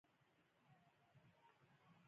د زړورو اتلانو کیسه د صبر او وفادارۍ نښه ده.